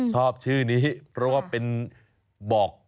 ชอบชื่อนี้เพราะว่าเป็นบอก